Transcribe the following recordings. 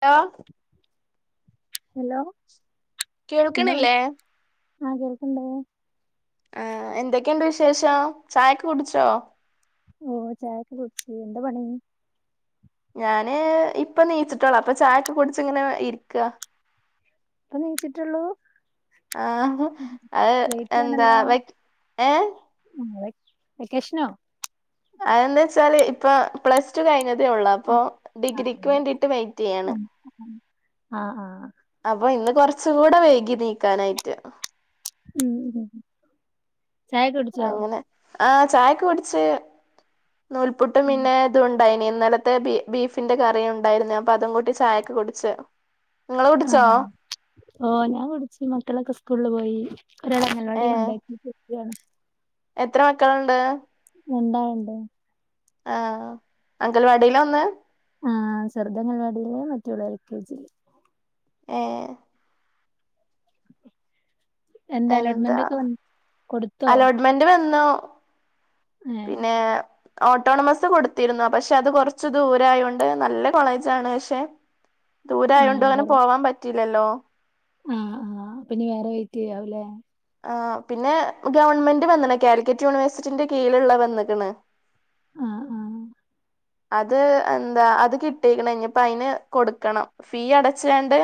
ല്ലോ ഹലോ എന്താ പണി കേൾക്ക്ണില്ലേ ആ കേൾക്ക്ണ്ട് ശേഷം ചായക്കെ കുടിച്ചോ ഓ ചായക്കെ കുടിച്ചു എന്താ പണി ഞാന് ഇപ്പ നീച്ചിട്ടോള്ളു അപ്പ ചായൊക്കെ കുടിച്ച് ഇങ്ങനെ ഇരിക്കാ ഇപ്പ നീച്ചിട്ടോള്ളൂ ആ അത് എന്താ ആണല്ലോ വേ ഏ ആ, വെ- വെക്കേഷനോ അതെന്താ വെച്ചാല് ഇപ്പൊ പ്ലസ് ടു കഴിഞ്ഞ ഉള്ള ആ അപ്പൊ ആ ഡിഗ്രിക്ക് അതെ വേണ്ടീട്ട് വെറ്റ് ചെയ്യാണ് ആ ആ കൊറച്ച കൂടെ വേകി നീക്കാനായിട്ട് ഉം ഉ ചായക്ക കുടിച്ചോ ആ ചായൊക്കെ കുടിച്ച് നൂൽപുട്ടും ഉം. പിന്നെ ഇതുണ്ട് ണ്ടായിനി ഇന്നലത്തെ ബ ബീഫിന്റെ കറി ഉണ്ടായിരുന്നു അപ്പൊ അതും കൂട്ടി ചായക്കെ കുടിച്ച് നിങ്ങളെ ആ കുടിച്ചോ ഓ ഞാൻ കുടിചച്ച് മക്കളൊക്കെ സ്കൂൾൽ പോയി ഒരാളെ അങ്ങനടി ഏഹ് കൊണ്ടാക്കിയാണ് എത്ര മക്കളുണ്ട് ഉണ്ടാണ്ട ആ അങ്കൽവാടയില ഒന്ന് ആ ചെറുത അംഗൽവാടിയിലേ മറ്റുള്ള എൽ കെ ജിയില് ഏ എന്താ അലോട്ട്മെന്റ് ഒക്കെ കൊടു അലോട്ട്മെന്റ് വന്നു ഏ പിന്നെ ഓട്ടോണമസ് കൊടുത്തിരുന്നു പക്ഷെ അത് കൊറച്ച് ദൂരയോണ്ട് നല്ല കോളേജാണ് പക്ഷെ ആ ദൂരയോണ്ട് അങ്ങനെ പറ- പോവാൻ പറ്റില്ലല്ലോ ആ ആ അപ്പൊ നീ വേറെ വെയിറ്റ് ചെയ്യാവല്ലേ ആ പിന്നെ ഗവണ്മെന്റ് വന്നണ കാലിക്കറ്റ് യൂണിവേഴ്സിറ്റിന്റെ കീഴിലുള്ള വന്നിക്കണ് ആ ആ അത് എന്താ അത് കിട്ടേക്കണം ഇനിപ്പ അതിന് കൊടുക്കണം ഫീ അടച്ചണ്ട്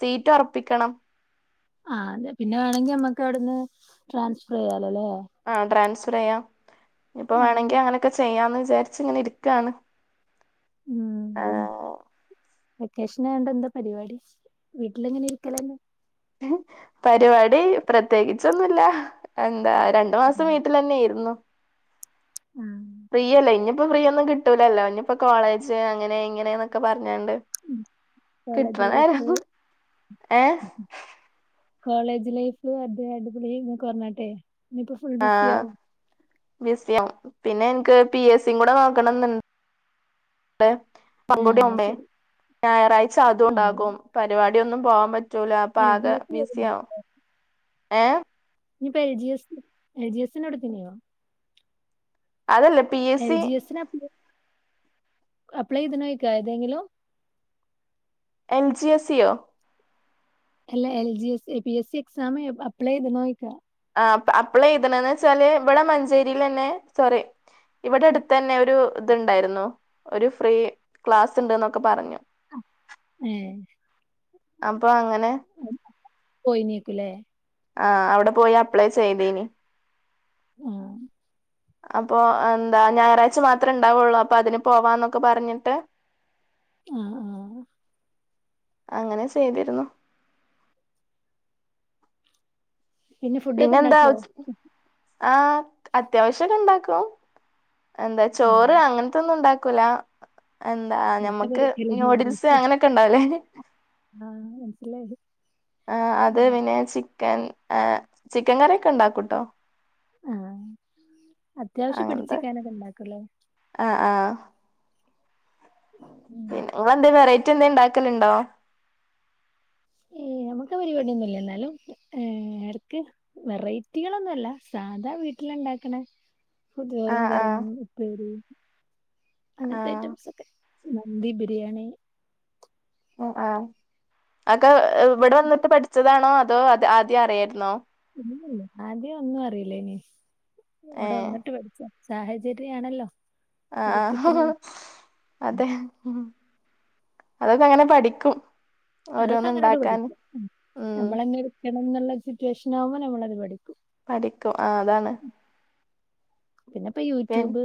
സീറ്റ് ഉറപ്പിക്കണം ആ പിന്നെ വേണങ്കി നമ്മക്ക് അവിടുന്ന് ട്രാൻസ്ഫർ ചെയ്യ ആ ട്രാൻസ്ഫർ ചെയ്യാം ഇപ്പൊ വേണെങ്കിൽ അങ്ങനൊക്കെ ചെയ്യാന്ന് വിചാരിച്ച ഇങ്ങനെ ഇരിക്കണ് ആ കഷ്ണ വണ്ട എന്താ പരിപാടി വീട്ടില എങ്ങനെ ഇരിക്കലന്നെ പരിപാടി പ്രത്യേകിച്ചൊന്നുല്ല രണ്ടു മാസം വീട്ടിൽ തന്നൊയിയിരുന്നു ഉം ഫ്രീയല്ലേ ഇനിയിപ്പോ ഫ്രീ ഒന്നും കിട്ടൂലല്ലോ ഇനിപ്പോ കോളേജ് അങ്ങനെ ഇങ്ങനെൊക്ക പറ പറഞ്ഞണ്ട് കോളേജ് ലൈഫ് കിട്ടണാരരുന്നു ഏ കോളേജ് ലൈഫ് അദ്ദേഹം അടിപൊളി ഇ കൊഞ്ഞട്ടെ ഇനിയിപ്പോ ഫുൾ ബിസി ആവും ബസിയം പിന്നെ എനിക്ക് പി എസ് സും കൂടെ നോക്കണെന്നണ്ട് ആഹ് അത് പങ്കുടിയണ്ടേ ശരി ഞായറാഴ്ച അതും ആഹ് ഉണ്ടാകും പരിപാടി ഒന്നും പോകൻ പറ്റ റ്റുല അപ്പൊ എൽ ജി ആകെ എസ് വരുന്നുണ്ട് ബിസിയാവോ ഏ ഇനിയിപ്പോ L G S L G എസിനോടെ തന്നെയോ അതല്ല P S L C G എസ്സിന് അപ്ലൈ ഇത് നോയിക്കാ ഏതെങ്കിലോ എൽ ജി എസ്സിയൊ എല്ല L G S A P S C exam apply ചെയ്ത് നോയിക്കാ ആ അപ്പളെ ഇയ്ത്ണന്ച്ചാല് ഇവിടെ മഞ്ചേരിയിൽ ന്നെ സോറി ഇവിടെ അടുത്ത തന്നെ ഒരു ഇത്ണ്ടായിരുന്നു ഒരു ഫ്രീ ക്ലാസ്സ് ഉണ്ട് എന്നൊക്കെ പറഞ്ഞു ഏഹ് അപ്പൊ അങ്ങനെ പോയിനീക്കു ലെ ആ അവിടെ പോയി അപ്ലൈ ചെയ്തീനി ആ അപ്പൊ എന്താ ഞായറാഴ്ച മാത്രേ ഉണ്ടാവുള്ളൂ അപ്പൊ അതിന് പോവാന്നൊക്കെ പറഞ്ഞിട്ട് ആ ആ അങ്ങനെ ചെയ്തിരുന്നു പിന്നെ ഫുഡൊക്കെ പിന്നെന്താ ഇണ്ടാക്കോ ആ അത്യാവശ്യം ഒക്കെ ഉണ്ടാക്കും എന്താ ഉം ചോറ് അങ്ങനത്തെ ഒന്നും ഉണ്ടാ കുല എന്താ മുട്ട ഞമ്മക്ക് പൊരിക്കല് ന്യൂഡിൽസ് നൂഡിൽസ് അങ്ങനെയൊക്കെ ഇണ്ടാവുലെ ആഹ് മനസ്സിലായി ആ അത് ഉം. പിന്നെ ചിക്കൻ ആ ചിക്കൻ കറിയോക്കെ ഉണ്ടാക്കൂട്ടോ ആഹ് അത്യാവശ്യം അങ്ങനത്തെ പിടിച്ചിക്കാനക്കെ ഇണ്ടാക്കു ല്ലേ ആഹ് ആഹ് പിന്നെ ങ്ങൾന്തെ വെറൈറ്റി എന്തെ ണ്ടാക്കലുണ്ടോ ഏ നമുക്ക് പരിപാടിയൊന്നുംല്ല എന്നാലും എടക്ക് വെറൈറ്റികളൊന്നുവല്ല സാധാ വീട്ടില ണ്ടാക്കണ പുതിയോറും ആഹ് ആഹ് കറിം ഉപ്പേരി അങ്ങനത്തെ ആഹ് ഐറ്റംസ് ഒക്കെ മന്ദി ബിരിയാണി ആ ആ അക്കെ ഇവിടെ ഇല്ലല്ല വന്നിട്ട് പഠിച്ചതാണോ അതോ അത് ആദ്യം അറിയായിരുന്നോ ആദ്യം ഒന്നും അറിയിലയിനി ഇവിടെ ഏഹ് വന്നിട്ട് പഠിച്ച സാഹചര്യണല്ലോ ആഹ അതെ അതൊക്കെ അങ്ങനെ പഠിക്കും അതൊക്കെ ഓരോന്ന് അങ്ങനെണ്ട് ഉണ്ടാക്കാന് പഠിക്കും ഉം നമ്മളങ്ങനെ എടുക്കണം എന്നുള്ള സിറ്റുവേഷൻ ആവുമ്പോ നമ്മളത് പഠിക്കും പഠിക്കും ആഹ് അതാണ് പിന്നെപ്പൊ പിൻ യൂട്യൂബ്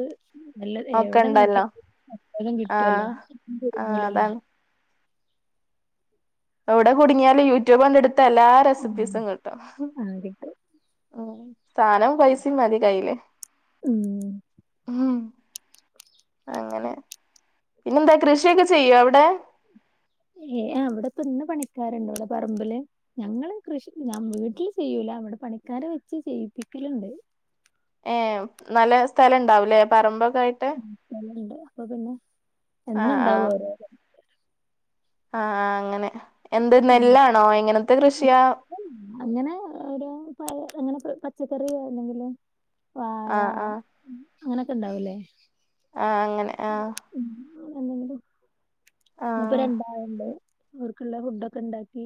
നല്ല ഒക്കെ എവിടെ നോക്കിയ ഉണ്ടല്ലോ ലും കിട്ടുവല്ലോ ആഹ് ആഹ് കുടുങ്ങൂല്ലല്ലോ അതാണ് എവിടെ കുടുങ്ങിയാലും യൂട്യൂബ് ണ്ട് എടുത്ത എല്ലാ റെസിപ്പീസും കിട്ടും ആഹ് കിട്ടും സാനോം പൈസയും മതി കയ്യില് ഉം ഹമ് അങ്ങനെ പിന്നെ എന്താ കൃഷിയൊക്കെ ചെയ്യോ അവിടെ ഏ ആ ഇവിടപ്പ ഇന്ന് പണിക്കാരുണ്ട് ഇവിടെ പറമ്പില് ഞങ്ങള് കൃഷി ഞാൻ വീട്ടിൽ ചെയ്യൂല അവിടെ പണിക്കാ അവരെ വെച്ച് ചെയ്യിപ്പിക്കലുണ്ട് അല്ലേ പറമ്പ് ണ്ട് അപ്പൊ പിന്നെ ആ ആ എന്നുണ്ടാവും ഓരോ ആ ആ അങ്ങനെ എന്ത് ഉം നെല്ലാണോ എങ്ങനത്തെ കൃഷിയാ അങ്ങനെ ഓരോ പ അങ്ങനെ പച്ചക്കറിയോ അല്ലെങ്കില് വാഴ ആ ആ അങ്ങനൊക്കെ ഇണ്ടാവൂല്ലേ ആ അങ്ങനെ ആ എന്തെും [unintelligible] [unintelligible] ആ ഇന്ന് ഇപ്പോ രണ്ടാള്ണ്ട് അവർക്കുള്ള ഫുഡ്‌ ഒക്കെ ഇണ്ടാക്കി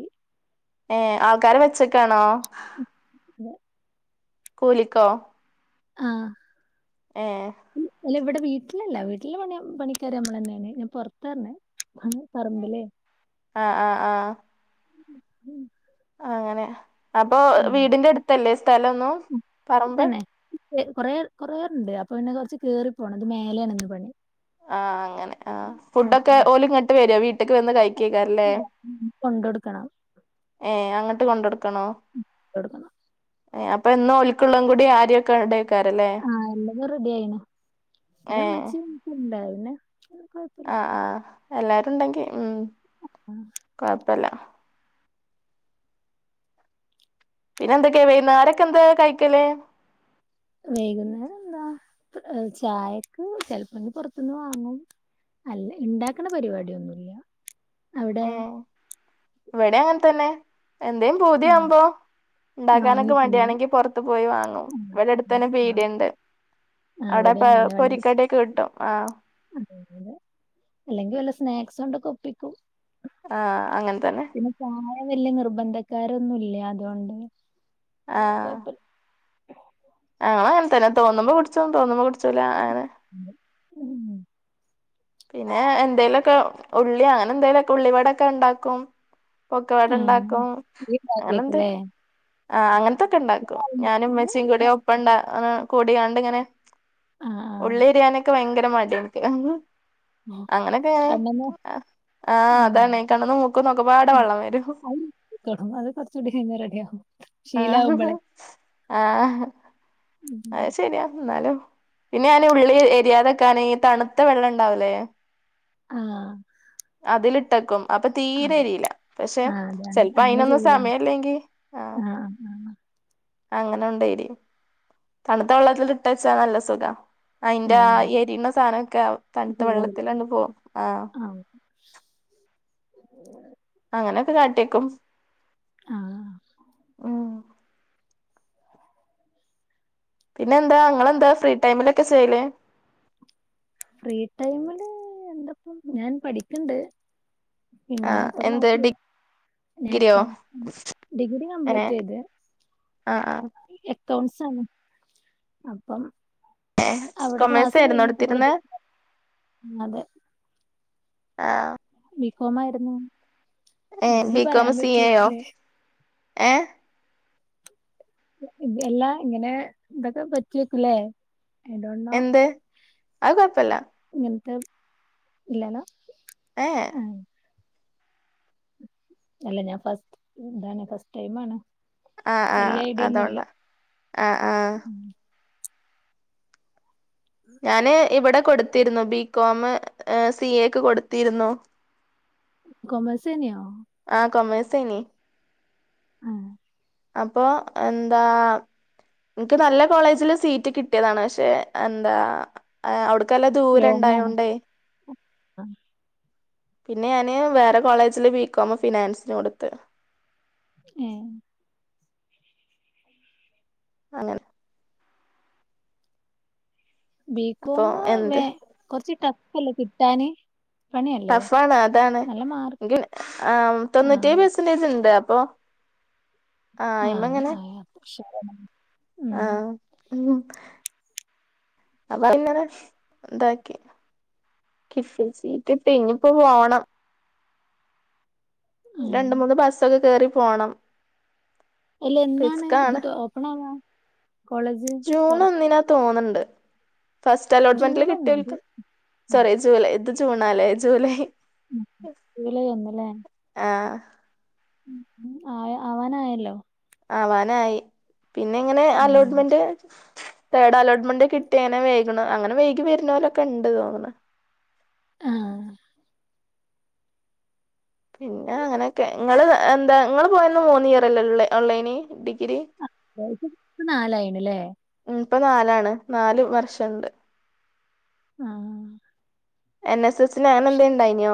ഏ ആൾക്കാരെ വെച്ചക്കാണോ [unintelligible] കൂലിക്കോ ആ ഏ അല്ല ഇവിടെ വീട്ടിലല്ല വീട്ടിലണി പണിക്കാര് നമ്മളന്നെയാണ് ഞാൻ പുറത്തറഞ്ഞെ അ പറമ്പല്ലേ ആഹ ആഹ് ആഹ് ഉം. അങ്ങനെ അപ്പൊ വീടിന്റെ അടുത്തല്ലേ സ്ഥലൊന്നും പറമ്പ് റെ കുറേണ്ട് അപ്പൊ പിന്നെ കുറച്ച് കയറിപ്പോണം അത് മേലെയാണന്ന് പണി ആഹ് അങ്ങനെ ആ ഫുഡൊക്കെ ഓലും ഇങ്ങട്ട് വരോ വീട്ടേക്ക് വന്ന് കഴിക്കോ കൊണ്ടൊടുക്കണം ഏ അങ്ങട്ട് കൊണ്ട കൊടുക്കണോ കൊടുക്കണം. ഏ അപ്പൊ എന്നും ളും കൂടി ആരെയൊക്കെ ഉണ്ട ആഹ എല്ലത റെഡി ആയിണ് ഏ പിന്നെമ്മച്ചിയും ഉണ്ട് പിന്നെ കൊഴപ്പല്ല. ആഹ ആഹ് എല്ലാരും ഉണ്ടെങ്കി ഉ കൊഴപ്പല്ല പിന്നെ എന്തൊക്കെയാ വുന്ന ആരൊക്കെ എന്താ കഴിക്കലേ വൈകുന്നേം എന്താ ചായക്ക് ചിലപ്പോങ്കിൽ പുറത്തുന്ന് വാങ്ങും അല്ല ഉണ്ടാക്കണ പരിപാടിയൊന്നുമില്ല ഉ ഇവിടെ അങ്ങനെ തന്നെ എന്തേയും ഉം ഭൂതിയാവുമ്പോ ഉണ്ടാക്കാനൊക്കെ വാങ്ങി തിന്നും. മടിയാണെങ്കി പുറത്ത് പോയി വാങ്ങും ഇവിടെ അടുത്ത് തന്നെ ആഹ്. പീടിയുണ്ട് ആഹ് അവിടെപ്പ പൊരിക്കടക്ക് കിട്ടും ആഹ അതെ അല്ലെങ്കിൽ വല്ല സ്നാക്സ് കൊണ്ടൊക്കെ ഒപ്പിക്കും ആഹ അങ്ങനെ തന്നെ വലിയ നിർബന്ധക്കാരൊന്നുംല്ല അതുകൊണ്ട്പ്പ ആണോ അങ്ങനെ തന്നെ തോന്നുമ്പോ കുടിച്ചു തോന്നുമ്പോ കുടിച്ചൂല അങ്ങനെ ഉം പിന്നെ എന്തേലൊക്കെ ഉള്ളി അങ്ങനെ എന്തേലൊക്ക ഉള്ളിവടൊക്കെ ഉണ്ടാക്കും പൊക്കവാട് ആഹ് ഉണ്ടാക്കും ഇയ്യ് അങ്ങനെ എന്ത ഇണ്ടാക്കേക്കുല്ലേ ആ അങ്ങനെ ഇതൊക്കെ ഉണ്ടാക്കും ഞാനും ഉമ്മച്ചീയും കൂടെ ഒപ്പണ്ട കൂടിയാണ്ട് ഇങ്ങനെ ആഹ് ഉള്ള എരിയാനൊക്കെ ഭയങ്കര മടിയാ എനിക്ക് ആഹ് കണ്ണമ്മോ അങ്ങനെയൊക്കെനെ ആഹ് അതാണ് കണ്ണന്ന് മൂക്കന്ന് നോക്കപാട വെള്ളം വരും ടും അത് കുറച്ചുകൂടി കഴിഞ്ഞ് റെഡിയാകും ആഹ ആഹ അ ശരിയാ എന്നാലും പിന്നെ ഞാൻ ഉള്ളി എരിയാതക്കൊണെങ്ക തണുത്ത വെള്ളം ഉണ്ടാവലേ ആഹ അതിലിട്ടക്കും അപ്പൊ തീരെയില്ല പക്ഷെ ആഹ് ചിലപ്പോ അയിനൊന്നും സമയല്ലെങ്കി ആഹ് ആഹ ആ് ആഹ അങ്ങനെ ഉണ്ടായിരി തണുത്ത വെള്ളത്തിലെൽ ഇട്ടച്ചാ നല്ല സുഖ അയിന്റെ ആ ആഹ് എരിയണ സാധനമൊക്കെ തണുത്ത വെള്ളത്തിലങ് പോവും ആ ഉ അങ്ങനെയൊക്കെ കാട്ടിയേക്കും ആഹ ഉം പിന്നെ എന്താ നിങ്ങളെന്താ ഫ്രീ ടൈമിലൊക്കെ ചെയ്യലേ ഫ്രീ ടൈമില് എന്തപ്പം ഞാൻ പഠിക്കണ്ട് പിന്നെ ആഹ് ഇപ്പൊ എന്ത് ക്ലാസ്സില് ഞ ഡിഗ്രിയോ കം ഡിഗ്രി ഏഹ് കംപ്ലീറ്റ് ചെയ്ത് ആഹ് ആഹ് റൗണ്ട്സ് ആണ് അപ്പം അവിടെ കൊമേഴ്സ് ക്ലാസ്സ് ആയിരുന്നോ കഴിഞ്ഞിട്ട് എടുത്തിരുന്നെ അതെ ആഹ ബികോം ആയിരുന്നു ഏ ഇതൊക്കെ നീ ബികോം പറയാൻ സി എയോ പറ്റിയേക്കൂലേ ഏ എല്ലാം ഇങ്ങനെ ഇതൊക്കെ ഒരു പറ്റിയക്കലേ എന്ത് അത് കൊഴപ്പമില്ല ഇല്ലന്ന ആഹ അല്ല ഞാൻ ഫസ്റ്റ് എന്താണ് ഫസ്റ്റ് ടൈം ആണ് ആഹ ആഹ് വല്യ ഐഡിയ ഒന്നുല്ല അതോണ്ടാ ആഹ ആഹ ഞാന് ഇവിടെ കൊടു ത്തിരുന്നു ബികോം സി എക്ക് കൊടുത്തിരുന്നു കോമേഴ്‌സ് ന്ന് ശനി ആഹ അപ്പൊ എന്താ എനിക്ക് നല്ല കോളേജില് സീറ്റ് കിട്ടിയതാണ് പക്ഷെ എന്താ അവിടു ൻക്ക് നല്ല ദൂര ഉണ്ടായോണ്ടേ ആഹ പിന്നെ ഞാന് വേറെ കോളേജില് ബികോം ഫിനാൻസിന് കൊടുത്ത് ഉം അങ്ങനെ അപ്പൊ ബീകോം എന്ത് വേ കൊറച്ച് ട്രഫ് അല്ലെ കിട്ടാന് പണിയല്ലേ ടഫാണ് അതാണ് നല്ല മാർക്ക് എൻക്ക് ആഹ് തൊണ്ണൂറ്റിയേഴ് പെർസെന്റേജ് ഉണ്ട് പ്പോ ആഹ പക്ഷേ ആഹ ഉ അപ്പ പിന്ന ഇതാക്കി കിഫ സീറ്റ് കിട്ടി ഇഞ്പ്പോ പോണം ആഹ് രണ്ട് മൂന്ന് ബസ്സൊക്കെ കേറി പോണം അല്ല എാന്നാണ് റിസ്കാണ് ഇത് ഓപ്പൺ ആവാ കോളേജ് ജൂൺ തുറ ഒന്നിനാ തോന്നണ്ട് ഫസ്റ്റ് അലോട്ട്മെന്റ്ൽ ജൂൺ ഒന്നോ ജൂ കിട്ടിയോൽക്ക് സോറി ജൂലൈ ഇത് ജൂണാല്ലേ ജൂലൈ ഇല ഒന്നുംല്ലേ ആഹ് ആ ആവാനായല്ലോ ആവാനായി പിന്നെ എങ്ങനെ ഉം അലോട്ട്മെന്റ് തേഡ് അലോട്ട്മെന്റ് കിട്ടിയങ്ങനെ വേകണ് അങ്ങനെ വൈകി വരുണോലൊക്കെ ഇണ്ട് തോന്നന്ന് ആ പിന്നെ അങ്ങനെയൊക്കെ നിങ്ങള് എന്താ നിങ്ങ പോയന്ന് മൂന്ന് ഇയർ അല്ലേ ഓൺലൈന് ഡിഗ്രി അത് നാലായിണ്ല്ലേ ഉം ഇപ്പൊ നാലാണ് നാല് വർഷംണ്ട് ആഹ എൻ എസ് എസ് ൻ അങ്ങനെന്തേ ഉണ്ടായിനോ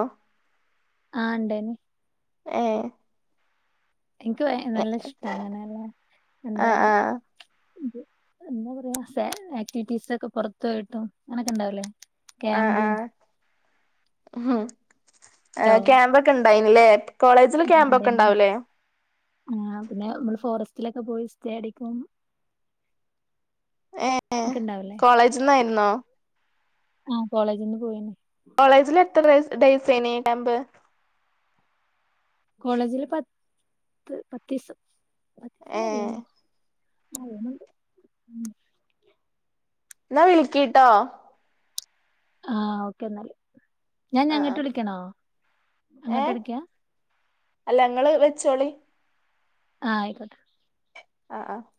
ആഹ ഉണ്ടേനി ആഹ എനിക്ക് നല്ല ഇഷ്ട അങ്ങനെയല്ല എന്താ ആഹ് ആഹ് എന്താ പറയാ ആക്ടിവിറ്റീസ് ഒക്കെ പുറത്തു പോയിട്ടും അങ്ങനെയൊക്കെ ഉണ്ടാവലേ ക്യാമ്പും ണ്ടോ ഉ ക്യാമ്പൊക്കെ ഉണ്ടായിനല്ലേ ആ പിന്നെ നമ്മള് ഫോറസ്റ്റ് വീട്ടിലൊക്കെ പോയി സ്റ്റേ അടിക്കും ഏ ഒക്കെ കോളേജ്ന്നായിരുന്നോ ആഹ കോളേജിൽ നിന്ന് പോയിന്നേ കോളേജിൽ എത്ര ഡേയ്സ് ഏനി ക്യാമ്പ് കോളേജില് പത്ത് പത്ത് ദിവസം ആഹ ആ എന്നാ വിളക്കി ട്ടോ ആഹ് ഓക്കെ എന്നല്ല ഞാൻ ആഹ് ആഹ് ഞങ്ങട്ട് വിളിക്കണോ ഏ ഞങ്ങോട്ട് വിളിക്ക അല്ല ങ്ങള് വെച്ചോളി ആഹ് ആയിക്കോട്ടെ ആഹ് ആ [unintelligible]